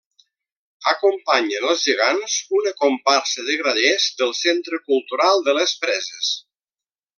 Acompanyen els Gegants una comparsa de grallers del Centre Cultural de Les Preses.